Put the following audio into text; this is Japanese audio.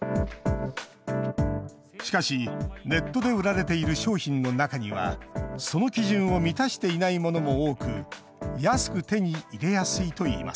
しかしネットで売られている商品の中にはその基準を満たしていないものも多く安く手に入れやすいといいます。